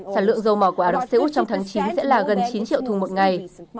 sản lượng dầu mỏ của ả rập xê út trong tháng chín sẽ là gần chín triệu thùng một ngày